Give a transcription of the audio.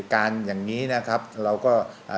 การอย่างนี้นะครับเราก็อ่า